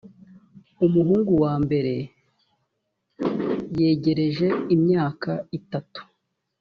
umuhungu wa mbere yegereje imyaka itatu.